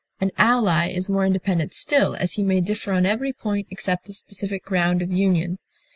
An ally is more independent still, as he may differ on every point except the specific ground of union.